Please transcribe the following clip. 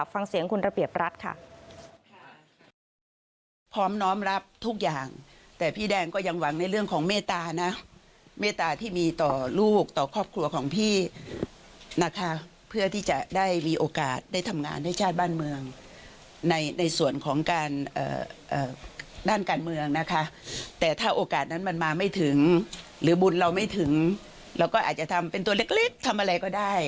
ฟังเสียงคุณระเบียบรัฐค่ะ